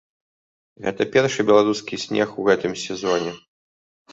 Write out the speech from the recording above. Гэта першы беларускі снег у гэтым сезоне.